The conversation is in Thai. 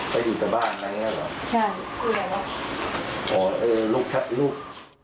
ไปอยู่แต่บ้านแบบนี้หรออ๋อลูกใช่ลูก